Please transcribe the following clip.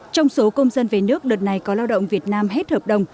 trong số công dân về nước đợt này có lao động việt nam hết hợp đồng